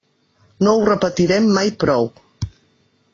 No ho repetirem mai prou.